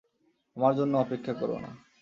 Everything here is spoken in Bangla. আমার জন্য অপেক্ষা করো না।